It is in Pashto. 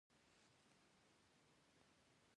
د کار په دې ویش کې مالدار قبایل جلا شول.